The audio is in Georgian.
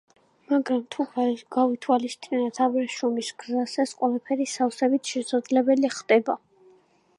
მაგრამ თუ გავითვალისწინებთ აბრეშუმის გზას ეს ყველაფერი სავსებით შესაძლებელი ხდება.